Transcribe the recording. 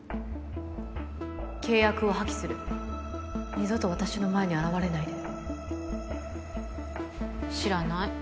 契約を破棄する二度と私の前に現れないで知らない。